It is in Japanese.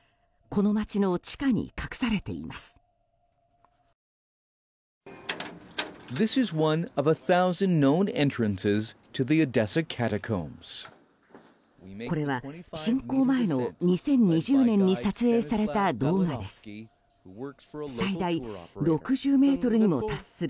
これは侵攻前の２０２０年に撮影された動画です。